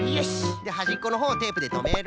ではじっこのほうをテープでとめる。